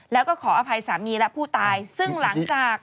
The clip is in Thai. แล้วก็ขออภัยสามีและผู้ตายซึ่งหลังจาก